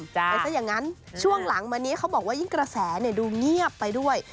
แต่ซะอย่างนั้นช่วงหลังมานี้เขาบอกว่ายิ่งกระแสดูเงียบไปด้วย